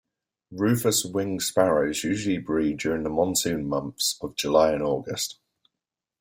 Rufous-winged sparrows usually breed during the monsoon months of July and August.